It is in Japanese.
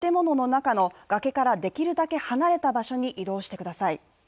近くに崖がある場合は建物の中の崖からできるだけ離れた場所に移動してください。